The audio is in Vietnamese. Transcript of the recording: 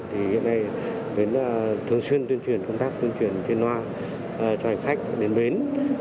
thì hiện nay bến thường xuyên tuyên truyền công tác tuyên truyền trên hoa cho hành khách đến bến